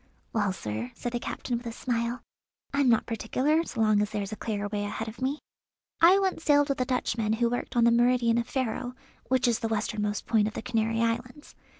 "Well, sir," said the captain with a smile, "I'm not particular, so long as there's a clear way ahead of me. I once sailed with a Dutchman who worked on the meridian of Ferro, which is the westernmost point of the Canary Islands.